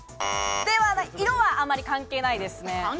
色はあんまり関係ないですね。